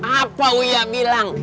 apa wuyah bilang